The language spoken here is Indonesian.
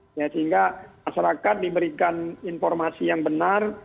sehingga masyarakat diberikan informasi yang benar